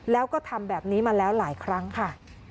แล้วก็ทำแบบนี้มาแล้วหลายครั้งค่ะ